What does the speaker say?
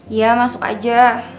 iya masuk aja